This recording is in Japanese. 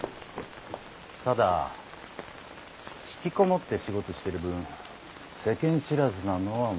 ただ引きこもって仕事してる分世間知らずなのは間違いない。